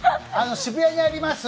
渋谷にあります